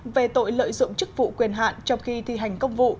về tội lợi dụng chức vụ quyền hạn trong khi thi hành công vụ